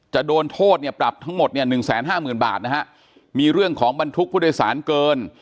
จะโดนโทษเนี่ยปรับทั้งหมดเนี่ย๑๕๐๐๐๐บาทนะฮะมีเรื่องของบรรทุกผู้โดยสารเกิน